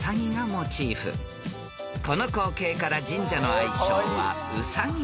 ［この光景から神社の愛称は］